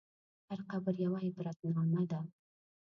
هر قبر یوه عبرتنامه ده.